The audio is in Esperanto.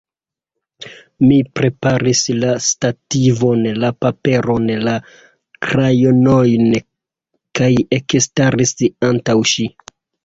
Mi preparis la stativon, la paperon, la krajonojn kaj ekstaris antaŭ ŝi.